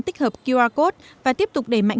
tích hợp qr code và tiếp tục để mạnh